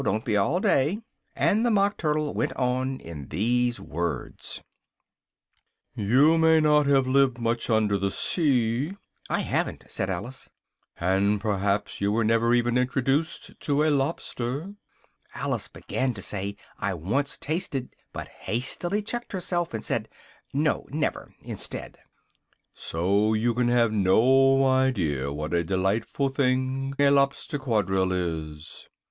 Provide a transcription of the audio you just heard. Don't be all day!" and the Mock Turtle went on in these words: "You may not have lived much under the sea " ("I haven't," said Alice,) "and perhaps you were never even introduced to a lobster " (Alice began to say "I once tasted " but hastily checked herself, and said "no, never," instead,) "so you can have no idea what a delightful thing a Lobster Quadrille is!"